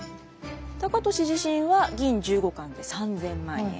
高利自身は銀１５貫で３，０００万円。